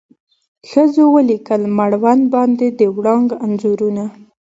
ښځو ولیکل مړوند باندې د وړانګو انځورونه